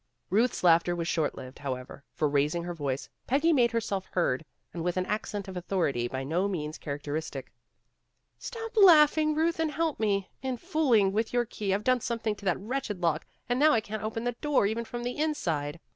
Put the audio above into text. Ruth's laughter was short lived, however, for raising her voice, Peggy made herself heard, and with an accent of authority by no means character istic. Stop laughing, Ruth, and help me. In fool ing with your key I've done something to that wretched lock, and now I can't open the door even from the inside."